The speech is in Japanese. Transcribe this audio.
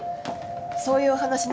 そういうお話なら。